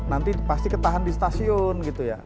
nanti pasti ketahan di stasiun gitu ya